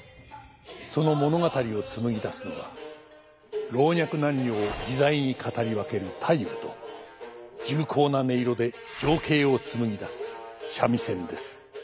その物語を紡ぎ出すのは老若男女を自在に語り分ける太夫と重厚な音色で情景を紡ぎ出す三味線です。